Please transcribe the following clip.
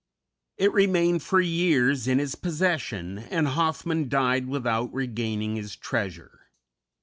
It remained for years in his possession, and Hoffman died without regaining his treasure.